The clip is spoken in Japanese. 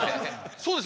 そうですよ。